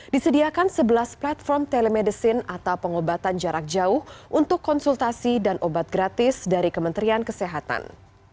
disediakan sebelas platform telemedicine atau pengobatan jarak jauh untuk konsultasi dan obat gratis dari kementerian kesehatan